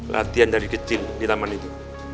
latihan dari kecil di taman itu